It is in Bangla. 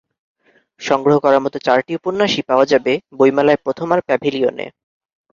সংগ্রহ করার মতো চারটি উপন্যাসই পাওয়া যাবে বইমেলায় প্রথমার প্যাভিলিয়নে।